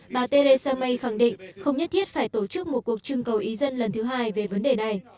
bà theresa may khẳng định không nhất thiết phải tổ chức một cuộc trưng cầu ý dân lần thứ hai về vấn đề này